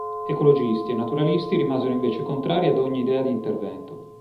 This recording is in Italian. Ecologisti e naturalisti rimasero invece contrari ad ogni idea di intervento.